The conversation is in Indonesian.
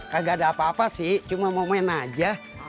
gak ada apa apa sih cuma mau main aja